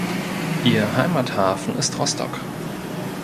Ihr Heimathafen ist Rostock.